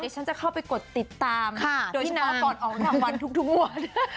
ฉันจะเข้าไปกดติดตามโดยเฉพาะก่อนออกรางวัลทุกวัน